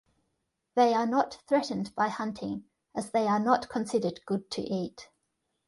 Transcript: They are not threatened by hunting as they are not considered good to eat.